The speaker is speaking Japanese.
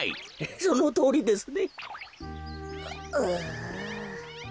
そのとおりですね。